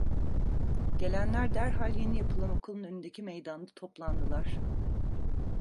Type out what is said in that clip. Gelenler derhal yeni yapılan okulun önündeki meydanda toplandılar.